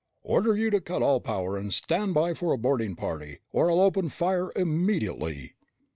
"... Order you to cut all power and stand by for a boarding party, or I'll open fire immediately!"